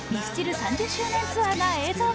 ３０周年ツアーが映像化。